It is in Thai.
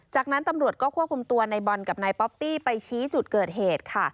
จากนั้นตำรวจก็ควบคุมตัวในบอลกับนายป๊อปปี้ไปชี้จุดเกิดเหตุค่ะ